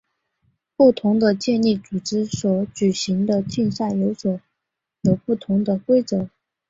不同的健力组织所举行的竞赛有不同的规则。